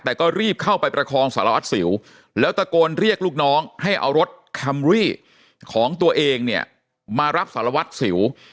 แต่ก็รีบเข้าไปประคองสารวัตรสิวแล้วตะโกนเรียกลูกน้องให้เอารถแคมรี่ของตัวเองเนี่ยมารับสารวัตรสิว